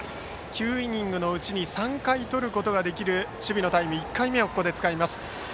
９イニングのうちに３回とることのできる守備のタイム１回目をここで使います。